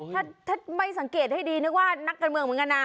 ถ้าไม่สังเกตให้ดีนึกว่านักการเมืองเหมือนกันนะ